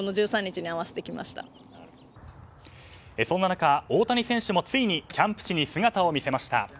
そんな中大谷選手もついにキャンプ地に姿を見せました。